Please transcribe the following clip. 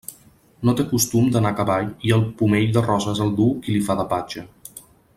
No té costum d'anar a cavall i el pomell de roses el duu qui li fa de patge.